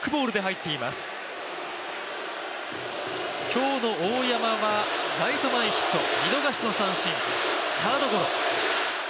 今日の大山はライト前ヒット、見逃しの三振、サードゴロ。